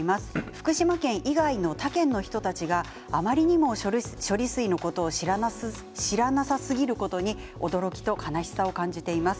福島県以外の他県の人たちがあまりにも処理水のことを知らなさすぎることに驚きと悲しさを感じています。